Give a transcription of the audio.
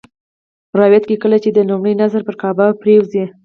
روایت دی کله چې دې لومړی نظر پر کعبه پرېوځي.